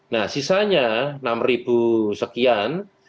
nah sisanya rp enam sekian